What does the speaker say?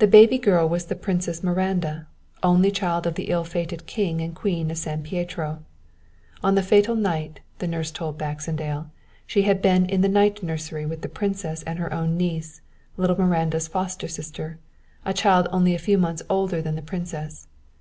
"The baby girl was the Princess Miranda, only child of the ill fated king and queen of San Pietro. On the fatal night, the nurse told Baxendale, she had been in the night nursery with the princess and her own niece, little Miranda's foster sister, a child only a few months older than the princess.